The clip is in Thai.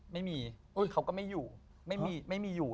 ไม่มีเขาก็ไม่อยู่ไม่มีอยู่